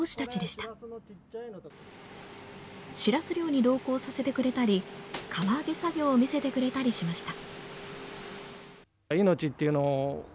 しらす漁に同行させてくれたり、釜揚げ作業を見せてくれたりしました。